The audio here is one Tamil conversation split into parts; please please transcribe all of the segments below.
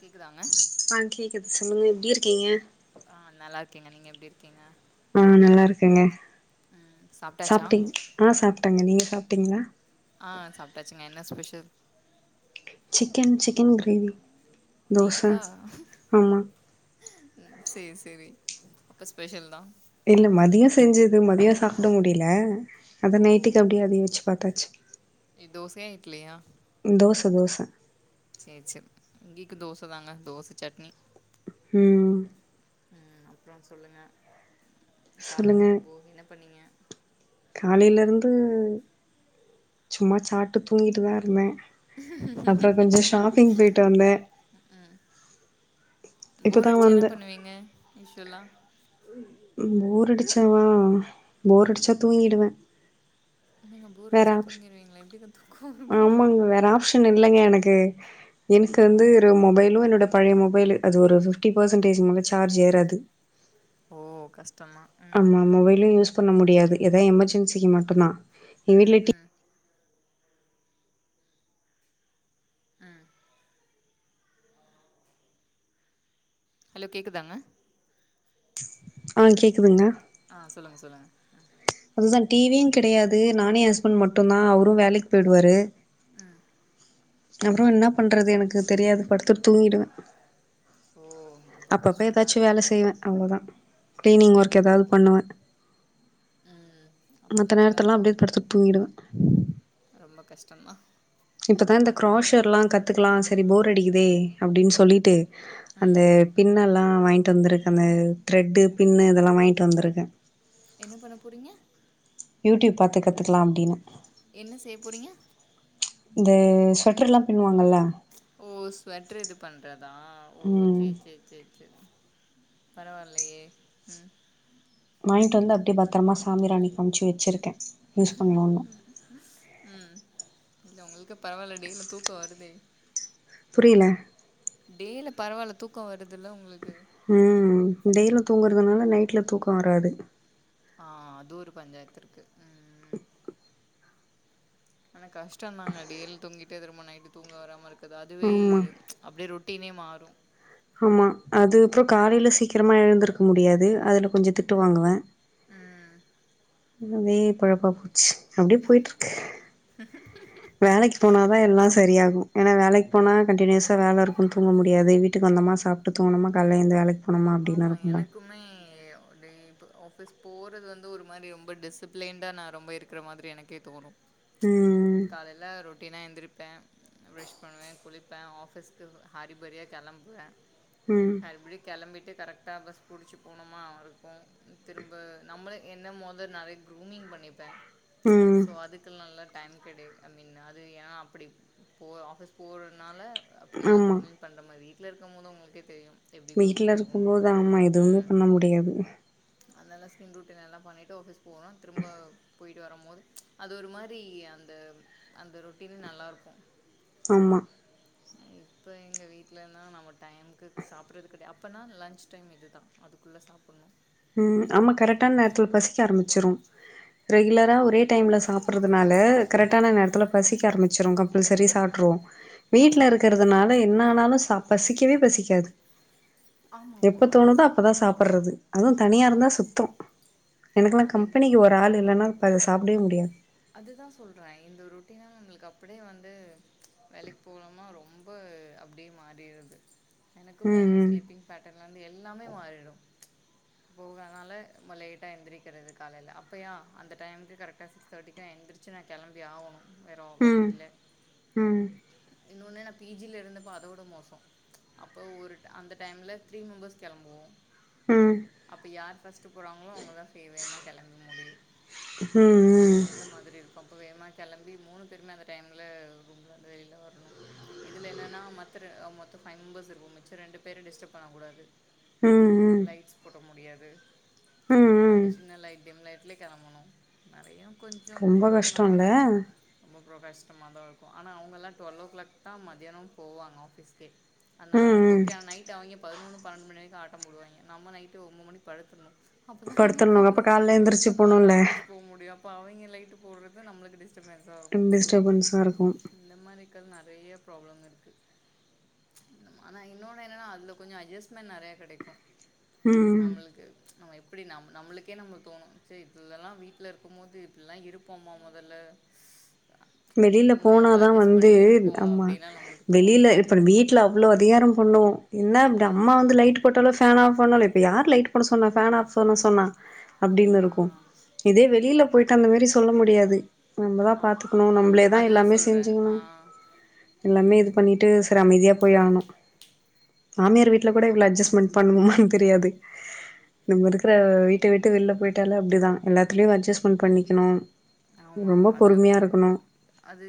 கேக்குதாங்க ஆ கேக்குது சொல்லுங்க எப்டி இருக்கீங்க ஆ நல்லா இருக்கேங்க நீங்க எப்டி இருக்கீங்க ஆ நல்லாருக்கேங்க ம் சாப்ட்டாச்சா சாப்டிங் ஆ சாப்டேங்க நீங்க சாப்டீங்களா ஆ சாப்டாச்சுங்க என்ன special chicken chicken gravy dosa நைட்டுக்கா ஆமா ம் சேர் சேரி அப்ப ஸ்பெஷல் தான் இல்ல மதியோ செஞ்சது மதியோ சாப்டு முடில அத ஓ நைட்டுக்கு அப்படியே அதயே வெச்சு பாத்தாச்சு இத் தோசயா இட்லியா தோச தோச சரி சரி இங்கேக்கு தோச தாங்க தோச சட்னி ம் அப்புறம் சொல்லுங்க காலலா சொல்லுங்க இருந்து என்ன போ என்ன பண்ணிங்க காலையில இருந்து சும்மா சாட்டு தூங்கிட்டுதான் இருந்தேன் அப்புறம் கொஞ்சம் ஷாப்பிங் போயிட்டு வந்தேன் ம் ம் போர் இப்பதா அடிச்ச என்ன வந்தே பண்ணுவீங்க யுஸ்ஷோல்லா போர் அடிச்சாவா போர் அடிச்சா தூங்கிடுவேன் என்னங்க போர் அடிச்சா தூங்கிருவீங்களா எப்படிங்க தூக்கம் வரும் போர் ஆமாங்க வேற ஆப்ஷன் இல்லைங்க எனக்கு எனக்கு ஓ வந்து ஒரு மொபைலும் என்னோட பழைய மொபைல் அது ஒரு ஃபிப்டி பெர்சன்டேஜ்க்கு மேல சார்ஜ் ஏறாது ஓ கஷ்டம் தான் ஆமா மொபைலே யூஸ் பண்ண முடியாது எதாவது எமர்ஜென்சிக்கு மட்டும்தான் எ ம் வீட்ல டி ம் ஆ ஹலோ கேக்குதாங்க ஆ கேக்குதுங்க ஆ சொல்லுங்க சொல்லுங்க அதுதான் டிவியும் கிடையாது நானும் என் ஹஸ்பண்ட் மட்டும்தான் அவரும் வேலக்கு போயிடுவாரு ஆ அப்புறம் என்ன பண்றது எனக்கு தெரியாது படுத்துட்டு தூங்கிடுவேன் ஓ அப்போ அப்பப்ப கஷ்டந்தாங்க ஏதாச்சும் வேலை செய்வே அவ்ளோதா கிளீனிங் ம் ஒர்க் ம் ஏதாவது பண்ணுவே ம் அப்போ மத்த நேரத்துல எல்லா கஷ்டந்தாங்க அப்படியே படுத்து தூங்கிடுவே ரொம்ப கஷ்டந்தா இப்ப தா இந்த பரவாயில்லயே க்ராஷர்ல்லா உங்களுக்கு கத்துக்கலா வந்து சரி போர் அடிக்குதே அப்டின்னு சொல்லிட்டு அந்த ம் பின்னல்லா வாங்கிட்டு வந்திருக்கே அந்த த்ரெட்டு பின்னு இதெல்லா வாங்கிட்டு வந்திருக்கே என்ன பண்ண போறீங்க யூடியூப் பாத்து கத்துக்கலா அப்டின்னு என்ன செய்ய போறீங்க இந்த ஸ்வட்டர் எல்லா பின்னுவாங்கல்ல ஓ ஸ்வெட்டரு இது பண்றதா ஓ ம். சேரி சேரி சேரி சேரி பரவால்லயே ம் வாங்கிட்டு வந்து அப்படியே பத்தரமா சாமி ராணி காமிச்சு வச்சிருக்கே உம் இல்ல உங்களுக்கு பரவால்ல டேல தூக்கம் வருதே இல்ல டேல பரவால்ல தூக்கம் வருதுல்ல உங்களுக்கு ம் டேல தூங்குறதுனால நைட்ல தூக்கம் வராது ஆ அது ஒரு பஞ்சாயத்து இருக்கு உம் ஆனா கஷ்டந்தாங்க டேல தூங்கிட்டு திரும்ப நைட்டு தூங்க வராம இருக்கறது அதுவே ஆமா. அப்டியே ரொட்டினே மாறு ஆமா அது அப்ற காலைல சீக்கிரமா எழுந்திருக்க முடியாது அதுல கொஞ்சோ த திட்டுவாங்குவ ம் அதே பொழப்பா போச்சு அப்டியே போய்ட்ருக்கு வேலைக்கு போனாதா எல்லா சரியாகு ஏன்னா வேலைக்கு போனா கண்டினியூஸா வேல இருக்கு தூங்க முடியு எத வீட்டுக்கு வந்தமா சாப்ட்டு தூங்ணமா காலைல எந்திரிச்சு வேலைக்கு போ ஆமா எனக்கு மே ஆல்வே இப்போ ஆஃபிஸ் போறது வந்து ஒரு மாரி ரொம்ப டிசிப்லிண்டா நா ரொம்ப இருக்குற மாதிரி எனக்கு இப்பே தோணு ம் காலைல ரொட்டினா எந்திரிப்ப ப்ரஷ் பண்ணுவ குளிப்ப ஆஃபீஸ்க்கு அரிபரியா கெளம்புவ ம் மறுபடி கெளம்பி ட்டு கரெக்ட்டா பஸ் புடிச்சு போனமா இருக்கு திரும்ப நம்மள என்ன மொத நெறய கூரிமிங் பண்ணி ப்ப ம் சோ அதுக்கு நல்லா டைம் த்ரடி ஐ மீன் அது ஏ அப்டி ஆஃபிஸ் போறதுனால அப்டில்லா ஆமா க்ரூமிங் பண்ற மாதிரி வீட்ல இருக்கு போது உங்களுக்கே தெரியு எப்டி க்ரூமிங்குனு மோதாம்மா எதுவு பண்ண முடியாது அந்தெல்லா ஸ்கின் ரோட்டின் எல்லா பண்ணிட்டு ஆஃபீஸ் போவ திரும்ப போய்ட்டு வரும்போது அது ஒரு மாரி அந்த அந்த ரொட்டின் நல்லாருக்கு ஆமா [inaudible] இப்போ எங்க வீட்லனா நம்ம டைமுக்கு சாப்ட்றது கெடையா அப்பனா லன்ச் டைம் இது தா அதுக்குள்ள சாப்புட்ணு ம் ஆமா கரெக்டான நேரத்ல பசிக்க ஆரம்பிச்சுரு ரெகுலரா ஒரு ஒரே டைம்ல சாப்ட்றதுனால கரெக்டான நேரத்ல பசிக்க ஆரமிச்சிரு கம்பல்சரி சாப்ட்ருவோ வீட்ல ஆமா இருக்கிறதுனால என்ன ஆனாலு ச பசிக்கவே பசிக்காது ஆமா ஆமா எப்ப அது தோணுதோ ஒரு அப்பதா சாப்பட்றது அதுவு ஆ தனியா இருந்தா சுத்த ஆ எனக்குலா அது என்- கம்பெனிக்கு ஒரு ஆள் இல்லனா இப்போ அத சாப்டவே முடியாது அதுதா சொல்ற இந்த ரொட்டினலா நம்மளுக்கு அப்படியே வந்து வேலைக்கு போறமா ரொம்ப அப்டியே மாரிடுது எனக்குமே அந்த ம் ஸ்லீப்பிங் பேட்டன்லருந்து எல்லாமே மாறிடு போகாதனால நம்ம லேட்டா எந்திரிக்கிறது காலைல அப்பயா அந்த டைமுக்கு கரெக்டா சிக்ஸ் தர்ட்டிக்கு நா எந்திருச்சு நா கெளம்பியாவணு வேற வழி ம் இல்ல ம் இன்னொன்னு நா பி ஜில இருந்தப்போ அதோட மோச அப்போ ஒரு அந்த டைம்ல த்ரீ மெம்பர்ஸ் கெளம்புவோ ம் ம் அப்ப யார் ஃபர்ஸ்ட் போறாங்களோ அவங்கதா ஃபேவேமா கெளம்ப முடியு ஹு ம் ம் அந்த மாதிரி இருக்கு அப்போ வேகமா கெளம்பி மூணு பேருமே அந்த டைம்ல ரூம்ல இருந்து வெளில வரணு இதுல என்னனா மத்த மொத்த ஃபைவ் மெம்பர்ஸ் இருப்போ மிச்ச ரெண்டு பேர டிஸ்டர்ப் பண்ணக்கூடாது ம் லைட்ஸ் போட முடியாது ம் அந்த ம் சின்ன லைட்தா டிம் லைட்லயே கெளம்பணு நெறய கொஞ்சோ ரொம்ப ப்ராப்ளம் கஷ்டோல்ல நெறயாருக்கு ரொம்பப்றோ கஷ்டமா தா இருக்கு ஆனா அவங்கெல்லா டுவெல்லோ கிளாக் தா மதியான போவாங்க ஆஃபீஸ்க்கே அதனால ம் அவங்களுக்கு ம் ஓகே ஆ நைட்டு அவங்க பதினொன்னு பன்னெண்டு மணி வரைக்கு ஆட்ட போடுவாய்ங்க நம்ம நைட்டு ஒன்ம்பது மணிக்கு படுத்துர்ணு அப்போ தா நம்ம படுத்துர்ணு அப்ப காலைல கால்ல எந்திரிச்சு காலைல போணுல்ல ஆஃபீஸ் போ முடியு அப்போ அவிங்க லைட்டு போடுறது நம்மளுக்கு டிஸ்ட டபென்சா இருக்கு டிஸ்டபன்ஸா இருக்கு இந்த மாதிரி கத நெறய பராப்ளம் இருக்கு ஆனா இன்னொன்னு என்னன்னா அதுல கொஞ்ச அட்ஜஸ்ட்மெண்ட் நெறைய கெடைக்கு ம் நம்மளுக்கு நம்ம எப்படி நம் நம்மளுக்கே நம்ம தோணு சே இதலல்லா வீட்ல இருக் கும் போது இப்பல்லா இருப்போமா மொதல்ல இங்கே வெளில இருக்கும்போது எவ்ளோ போனாதா அட்ஜஸ்ட் வந்து பண்ணி இருக்கோ அப்டின்லா நம்மளுக்கு தோணு அப்ற வீட்ல அவ்ளோ அதிகாரம் பண்ணோம் என்ன அம்மா வந்து லைட் போட்டாலோ ஃபேன் ஆஃப் பண்ணாலோ இப்ப யார் லைட் பண்ண சொன்னா ஃபேன் ஆஃப் பண்ண சொன்னா அப்டின்னு ஆ, இருக்கு இதே வெளியில போயிட்டு அந்த மாரி சொல்ல முடியாது நம்மதா ஆ, பாத்து நம்பளேதா அதுதான் எல்லாமே சொல்கிறேன் செஞ்சு ஆ எல்லாமே இது பண்ணிட்டு சர அமைதியா போய் ஆண்ணு மாமியார் வீட்ல கூட இவ்ள அட்ஜஸ்ட்மெண்ட் பண்ணுவோமான் தெரியாது நம்ம இருக்கிற வீட்டை விட்டு வெள்ல போய்ட்டால அப்டிதா எல்லாத்துலையு அட்ஜஸ்ட்மெண்ட் பண்ணிக்கணு ஆமாம் ரொம்ப அது அப்- பொறுமைய இருக் அது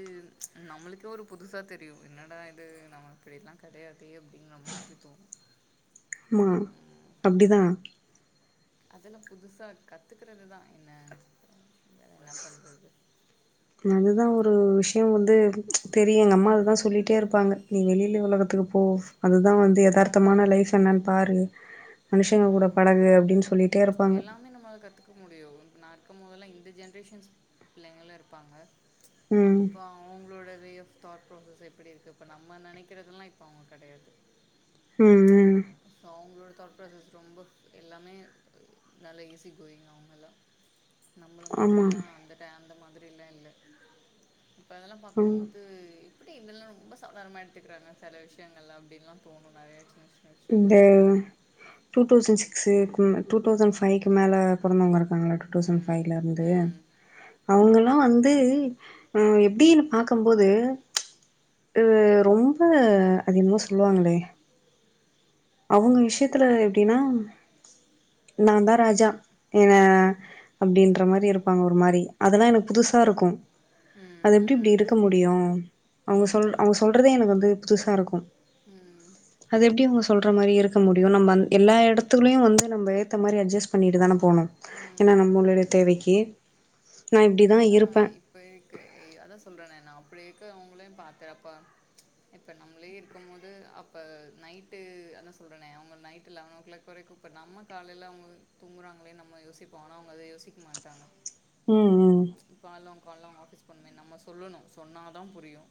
நம்மளுக்கே ஒரு புதுசா தெரியு என்னடா இது நம்ம இப்படிலா கெடையாதே அப்டின்ன மாதிரி தோணு ஆமா அப்டிதா அதெல்லா புதுசா கத்துக்கற்றதுதா என்ன என்ன பண்றது அதுதா ஒரு விஷ்யோ வந்து தெரியு எங்க அம்மா அதுதா சொல்லிட்டே இரு ப்பாங்க நீ வெளியில உலகத்துக்கு போ அதுதா வந்து எதார்த்தமான லைப் என்னன் பாரு மனுஷங்க கூட பழகு அப்டின் சொல்லிட்டே இருப்பாங்க ஆனா என்னமோ கத்து க்க முடியு நா இருக்கும் போதல்லா இந்த ஜென்ரேஷன்ஸ் பிள்ளைங்களா இருப்பாங்க ம் அப்ப அவங்களோட வே ஆஃப் தாட் ப்ராசஸ் எப்படி இருக்கு இப்ப நம்ம நெனைக்கிறதெல்லா இப்ப அவங்க கிடையாது ம் ம் சோ அவ்ங்கலோட தாட் பிராசெஷ் ரொம்ப எல்லாமே நல்ல ஈஸி கோயிங் அவங்கல்லா நம்மள ஆமா மாதிரில்லா அந்த டே அந்த மாதிரில்ல இல்ல இப்ப அதெல்லா ம் பாக்கும்போது எப்படி இதெல்லா ரொம்ப சாதாரணமாக எடுத்துக்கிறாங்க செல விஷ்யங்கள்ளா அப்டின்லா தோணு நெறையா சின்ன சின்ன இந்த விஷயங்கள்லா டூ தௌசண்ட் சிக்ஸ்கும் டூ தௌசண்ட் ஃபைவ்க்கு மேலே பொறந்தவங்க இருக் நாங்களா டூ தௌசண்ட் ம் ஃபைவ்ல இருந்து ம் அவ்ங்கல்லா வந்து அ எப்டின் பாக் கும் போது ரொம்ப அது என்னமோ சொல்லுவாங்களே அவ்ங்க விஷ்யத்தல எப்டின்னா நாதா ராஜா என்ன அப்டின்ற மாரி இருப்பாங்க ஒரு மாரி அதெல்லா எனக் புதுசா இருக்கு அது எப்டி ம் இப்டி இருக் க முடியு அவங்க சொல் ம் அவங்க சொல்றதே எனக்கு வந்து புதுசா இருக்கு ம் அது எப்படி உங்க சொல்ற மாரி இருக்க முடியு நம்ம அந் எல்லா எடத்துலையு வந்து நம்ம ஏத்த மாரி அட்ஜஸ்ட் பண்ணிட்டு தானே போனோ ஏன்னா ம் நம்மளுடைய தேவைக்கி அதுந்தா இப்ப இக்க அதா சொல்றேனே நா அப்படி இருக்க அவங்களையு பாத்தறேப்பா இப்ப நம்மளே இருக்கும்போது அப்ப நைட்டு அதா சொல்றேன்னே அவங்க நைட்டு லெவன் ஓ கிளாக் வரைக்கு இப்ப நம்ம காலையில அவ்ங்க தூங்கறாங்களேன் நம்ம யோசிப்போ ஆனா அவங்க அத யோசிக்க மாட்டாங்க ம் ம் பால்ல கால்ல ஆஃபீஸ் போண்ணுமேன் நம்ம சொல்லணு சொன்னாதா புரியு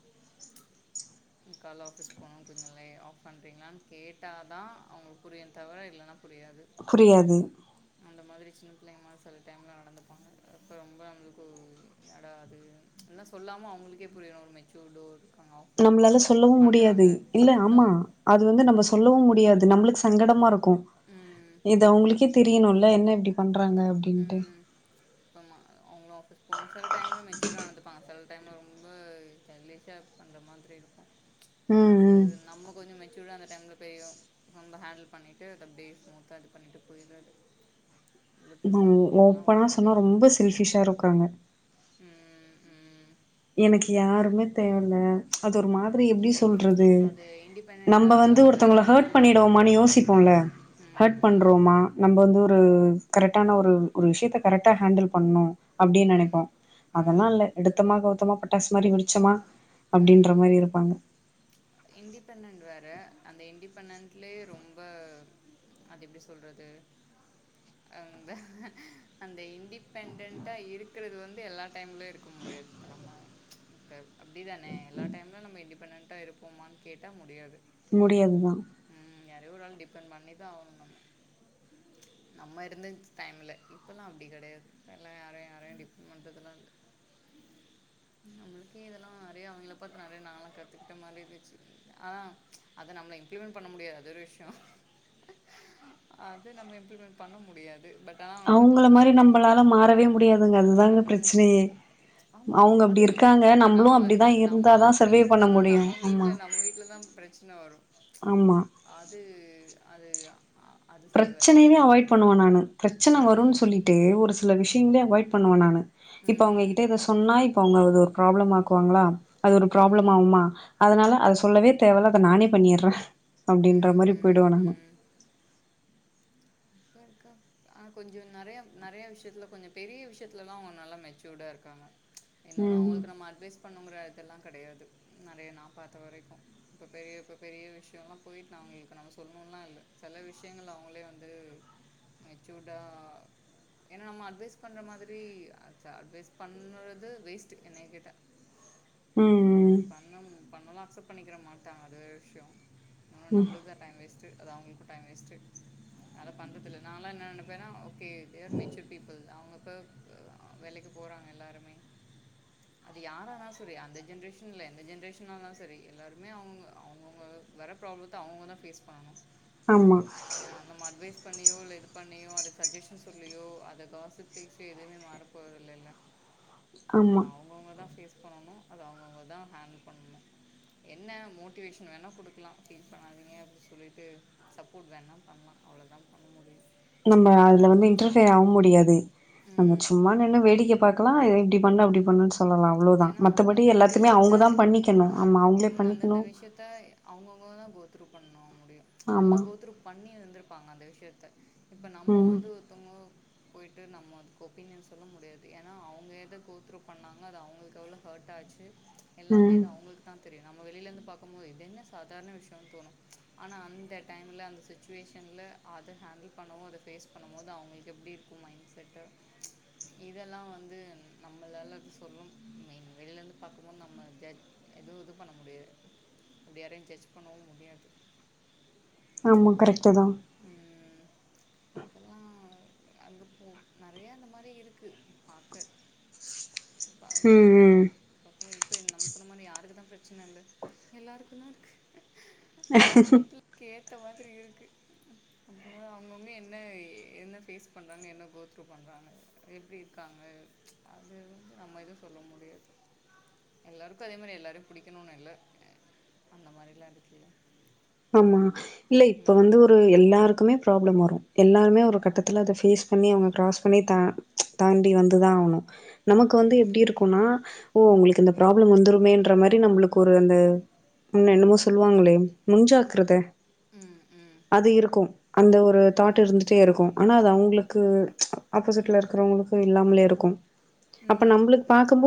கால்ல ஆஃபீஸ் [unintelligible] ஆஃப் பண்றீங்களான் கேட்டா தா அவங்களுக் புரியு தவர இல்லன்னா புரியாது புரியாது அந்த மாதிரி சின்ன பிள்ளைங்க மாரி சில டைம்ல நடந்துப்பாங்க அப்ப ரொம்ப நம்மளுக் க்கு என்னடாது எல்லா சொல்லாம அவ்ங்களுக்கே புரியு ஒரு மெச்சூர் டூட் நம்மளால சொல்லவு முடியாது இல்ல ஆமா அதான் அது வந்து நம்ம சொல்லவு முடியாது நம்மளுக்கு சங்கடமா இருக்கு ம் இது அவ்ங்களுக்கே தெரியணுல்ல என்ன இப்டி பண்றாங்க அப்டின்ட்டு ம் ஆமா அவ்ங்களு ஆஃபீஸ் போணு சில டைம்ல மெச்சூடா நடந்துப்பாங்க சில டைம்ல ரொம்ப சைல்டிஷா பண்ற மாதிரி இருக்கு அது ம் நம்ம கொஞ்ச மெச்சூர்டா அந்த டைம்ல ப்பயு ரொம்ப ஹேண்டில் பண்ணிட்டு அதப்டியே ஸ்மூத்தா இது பண்ணிட்டு போயிட்றது உங்ளுக்கு ம் ஓப்பனா சொன்னா ரொம்ப செல்ஃபிஷா இருக்காங்க ம் ம் எனக்கு யாருமே தேவல்ல அது ஒரு மாதிரி எப்டி சொல்றது அது இண்டிபெண்டன்டா நம்ப வந்து அவங்க இது ஒருத்தவ்ங்கள ஹேர்ட் பண்ணனால பண்ணிடுவோமானு யோசிப்போல்ல ம் ஹேர்ட் ம் பண்றோமா நம்ப வந்து ஒரு கரெக்டான ஒரு ஒரு விஷ்யத்த கரெக்டா ஹேண்டில் பண்ணு அப்டின் நெனைப்போ ம் அதெல்லா ம் இல்ல எடுத்தமா கவுத்தமா பட்டாசு மாரி வெடிச்சமா அப்டின்ற மாரி இருப்பாங்க இன்டிபெண்டன்ட் வேற அந்த இன்டிபெண்டன்ட்லே ரொம்ப அது எப்டி சொல்றது அந்த அந்த இன்டிபெண்டண்ட்டா இருக்குறது வந்து எல்லா டைம்லயு இருக்க முடியாது இப்ப நம்ம இப்ப அப்டிதானே எல்லா டைம்லு நம்ம இன்டிபெண்டன்ட்டா இருப்போமான் கேட்டா முடியாது முடியாதுதா ம் யாரையோ ஒரு ஆள் டிஃபண் பண்ணிதா ஆவணு நம்ம நம்ம இருந்த டைமுல இப்பலா அப்டி கெடையாது எல்லா யாரையு யாரையு டிஃபண் பண்றதுலா இல்ல நம்ளுக்கே இதெல்லா நெறையா அவிங்கள பாத்து நெறையா நாங்களா கத்துக்கிட்ட மாரிதி ஆ அத நம்ம இம்ப்ளிமெண்ட் பண்ண முடியா அது ஒரு விஷ்யோ அது நம்ம இம்ப்ளிமெண்ட் பண்ண முடியாது பட் தா பாத்து அவங்கள ஒவ்வொரு மாரி பிள்ளைங்கே நம்பளால மாறவே முடியாதுங்க ம் அதுதாங்க பண்ண பிரச்சனையே முடியாது ஆமா அவங்க அது அப்டி இல்ல இருக்காங்க இப்ப நம்மளு நம்ம அப்டிதா நம்ம இருந்தாதா அப்டி சர்வே பண்ண இருந்தோனா முடியு நம்ம ஆமா வீட்ல நம்ம வீட்லதா பிரச்சன வரு ஆமா அது அது அ அது சரி வராது பிரச்சனையவே அவாய்ட் பண்ணுவ நானு பிரச்சன ம் வருன்னு சொல்லிட்டு ஒரு சில விஷ்யங்ளே அவாய்ட் பண்ணுவ நானு இப்ப ம் அவுங்ககிட்ட இத சொன்னா இப்ப அவுங்க அது ஒரு ப்ராப்ளம் ஆக்குவாங்களா அது ஒரு ப்ராப்ளம் ம் ஆவுமா அதனால அத சொல்லவே தேவல்ல அத நானே பண்ணீர்றே அப்டின்ற ம் மாரி போயிடுவ ம் நானு ம் கற்க்கா ஆ கொஞ்ச நெறையா நெறையா விஷ்யத்துல கொஞ்ச பெரிய விஷ்யத்துலலா அவுங்க நல்லா மெச்சூர்டா இருக்காங்க இன்னொன்னு ம். அவுங்களுக்கு நம்ம அட்வைஸ் பண்ணுங்குற இதெல்லா கெடையாது நெறைய நா பாத்த வரைக்கு இப்ப பெரிய இப்ப பெரிய விஷ்யோலா போயிட்டு நா அவுங்களுக்கு நம்ம சொல்ணுன்லா இல்ல செல விஷ்யங்கள் அவுங்களே வந்து மெச்சூர்டா ஏனா நம்ம அட்வைஸ் பண்ற மாதிரி அது அட்வைஸ் பண்ணறது வேஸ்ட்டு என்னைய கேட்டா ம் ம் பண்ணம் பண்ணாலு அக்சப்ட் பண்ணிக்கிற மாட்டாங்க அது வேற விஷ்யோ இருந்தாலு ம். நம்ளுக்குதா டைம் வேஸ்ட்டு அது அவுங்களுக்கு டைம் வேஸ்ட்டு அத பண்றதுல்ல நாலா என்ன நெனப் வேனா okay they are mature people அவுங்கப்ப வேலைக்கு போறாங்க எல்லாருமே அது யாரானா செரி அந்த ஜென்ரேஷன் இல்ல எந்த ஜென்ரேஷனால செரி எல்லாருமே அவுங்க அவுங்கவுங்க வர ப்ராப்ளத்த அவுங்க தா ஃபேஸ் பண்ணணு ஆமா அ அந்தமா அட்வைஸ் பண்ணியோ இல்ல இது பண்ணியோ அதுக்கு சஜெஷன் சொல்லியோ அத காசப் பேசி எதுமே மாறப்போதில்லேல்ல அது ஆமா. அவுங்கவுங்கதா ஃபேஸ் பண்ணணு அத அவுங்கவுங்கதா ஹேண்டில் பண்ணணு என்ன மோட்டிவேஷன் வேணா குடுக்கலா ஃபீல் பண்ணாதீங்க அப்டி சொல்லிட்டு சப்போர்ட் வேணா பண்லா அவ்ளோதா பண்ண முடியு நம்ம அதுல வந்து இன்டர்ஃபேர் ஆவ் முடியாது நம்ம சும்மா நின்னு வேடிக்க பாக் கலா இத இப்டி பண்ணு அப்டி பண்ணுன் சொ சொல்லலா அவ்ளோதா ஏன்னா மத்தபடி அந்தந்த எல்லாத்தமே அவுங்கதா விஷயத்த பண்ணிக்கணு ஆமா அவுங்களே பண்ணிக்கணு த்த அவுங்கவுங்கதா கோத்துரூ பண்ண முடியு அவுங்கதா ஆமா. கோத்துரு பண்ணி இருந்திருப்பாங்க அந்த விஷ்யத்த இப்போ நம்ம ம். வந்து த்தங்க போய்ட்டு நம்ம அதுக்கு ஒப்பீனியன் சொல்ல முடியாது ஏனா அவுங்க எத கோத்துரு பண்ணாங் [unintelligible] அது அவுங்களுக்கு எவ்ளோ ஹர்ட் ஆச்சு எல்லாமே ம். அது அவுங்கள் தா தெரியு நம்ம வெளில இருந்து பாக்கும்போது என்ன சாதாரண விஷயோனு தோணுஆனா அந்த டைம்ல அந்த சிச் ச்சுவேஷன்ல அத ஹேண்டில் பண்ணமோ அதை ஃபேஸ் பண்ணபோது அவங்களுக்கு எப்டி இருக்கும் மைண்ட் செட்டு இதெல்லா வந்து நம்மளால சொல்லும் மெயின் வெள்ல இருந்து பாக்கும்போது நம்ம ஜர்ஜ் எதுவு இது பண்ண முடியாது அப்டி யாரையும் ஜட்ஜ் பண்ணவும் முடியாது ஆமா கரெக்டு தா ம் அதெல்லா அங்க போ நெறய அந்த மாரி இருக்கு பாக்க பாவ் ம் ம் அப்போ இப்போ நம்ம சொன்ன மாரி யாருக்கு தா பிரச்சன இல்ல எல்லாருக்கு தா இருக்கு அவங்கவங்களுக்கு ஏத்த மாதிரி இருக்கு அப்புறமா அவங்கவங்க என்ன என்ன ஃபேஸ் பண்ணுறாங்க என்ன கோத்ரூ பண்ணுறாங்க எப்டி இருக்காங்க அது வந்து நம்ம எதும் சொல்ல முடியாது எல்லாருக்கு அதே மாரி எல்லாரையு பிடிக்கணும்னு இல்ல அந்த மாதிரிலா இருக்குல ஆமா இல்ல இப்ப வந்து ஒரு எல்லாருக்குமே ப்ராப்ளம் வரு எல்லாருமே ஒரு கட்டத்துல அத ஃபேஸ் பண்ணி அவங்க க்ராஸ் பண்ணி த தாண்டி வந்துதா ஆகணு நமக்கு வந்து ம் எப்டி இருக்கும்னா ஓ உங்களுக்கு இந்த ப்ராப்ளம் வந்துருமேன்ற மாரி நம்மளுக்கு ஒரு அந்த உ என்னமோ சொல்லுவாங்களே முன் ஜாக்ரத ம் ம் அது இருக்கூ அந்த ஒரு தாட் ம் இருந்துட்டே இருக்கு ஆனா அது அவங்களுக்கு ஆப்போசிட்ல இருக்கிறவங்களுக்கு இல்லாமலே இருக்கும் ம் அப்ப ம் நம்மளுக்கு பாக்கும்போ